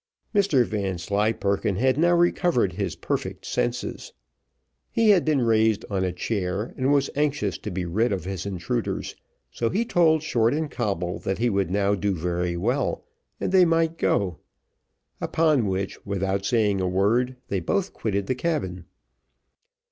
Mr Vanslyperken had now recovered his perfect senses. He had been raised on a chair, and was anxious to be rid of intruders, so he told Short and Coble that he would now do very well, and they might go; upon which, without saying a word, they both quitted the cabin.